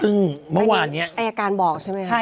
ซึ่งเมื่อวานนี้อายการบอกใช่ไหมครับ